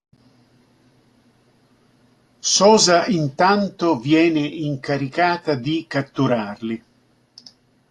Sosa intanto viene incaricata di catturarli.